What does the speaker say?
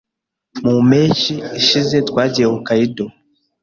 Mu mpeshyi ishize twagiye Hokkaido.